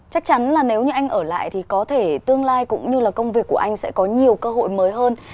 chắc chắn là nếu như anh ở lại thì có thể tương lai cũng như là công việc của anh sẽ có nhiều cơ hội mới hơn